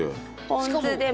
ポン酢でも。